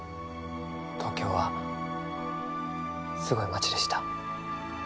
東京はすごい街でした。